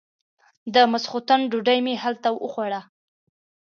د ماسختن ډوډۍ مې هلته وخوړه.